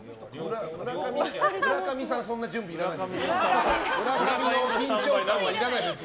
村上さん、そんな準備いらないでしょ。